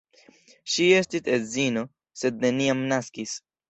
Ŝi estis edzino, sed neniam naskis.